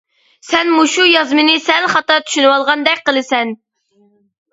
سەن مۇشۇ يازمىنى سەل خاتا چۈشىنىۋالغاندەك قىلىسەن.